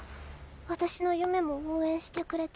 私の夢も応援してくれて。